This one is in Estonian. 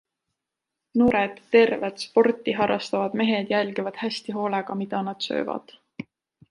Noored, terved, sporti harrastavad mehed jälgivad hästi hoolega, mida nad söövad.